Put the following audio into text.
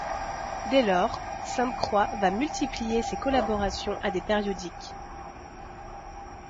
Dès lors, Sainte-Croix va multiplier ses collaborations à des périodiques.